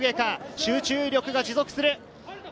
集中力が持続する。